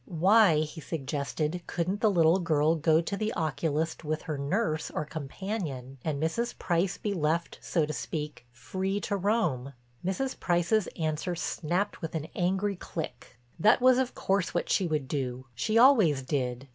Why, he suggested, couldn't the little girl go to the oculist with her nurse or companion and Mrs. Price be left, so to speak, free to roam? Mrs. Price's answer snapped with an angry click—that was of course what she would do—she always did.